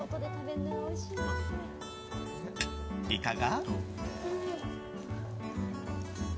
いかが？